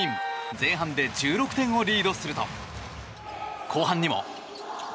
前半で１６点をリードすると後半にも。